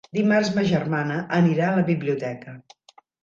Dimarts ma germana anirà a la biblioteca.